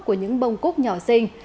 của những bông cúc nhỏ xinh